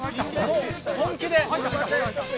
本気で。